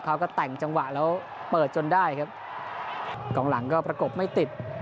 เขาก็แต่งจังหวะแล้วเปิดจนได้ครับกองหลังก็ประกบไม่ติด